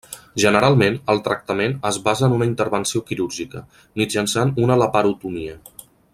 Generalment, el tractament es basa en una intervenció quirúrgica, mitjançant una laparotomia.